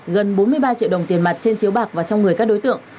gần bốn mươi ba triệu đồng tiền mặt trên chiếu bạc và trong người các đối tượng